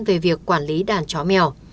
về việc quản lý đàn chó mèo